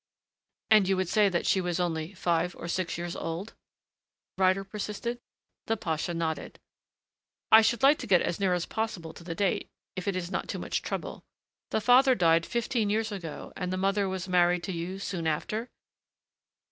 "And you would say that she was only five or six years old?" Ryder persisted. The pasha nodded. "I should like to get as near as possible to the date if it is not too much trouble.... The father died about fifteen years ago and the mother was married to you soon after?"